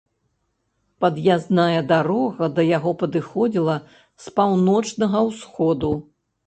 Пад'язная дарога да яго падыходзіла з паўночнага ўсходу.